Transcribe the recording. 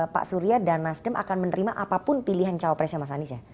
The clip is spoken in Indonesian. pak surya dan nasdem akan menerima apapun pilihan cawapresnya mas anies ya